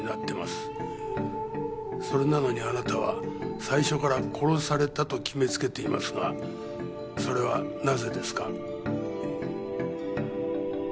それなのにあなたは最初から殺されたと決めつけていますがそれはなぜですか？